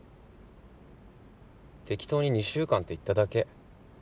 適当に２週間って言っただけ。